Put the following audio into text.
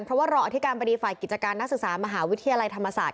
เพราะว่ารองอธิการบดีฝ่ายกิจการนักศึกษามหาวิทยาลัยธรรมศาสต